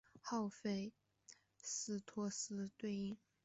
赫菲斯托斯对应。